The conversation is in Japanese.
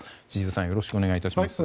よろしくお願いします。